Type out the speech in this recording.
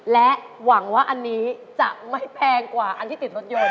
และหวังว่าอันนี้จะไม่แพงกว่าอันที่ติดรถยนต์